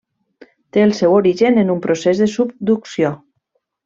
Té el seu origen en un procés de subducció.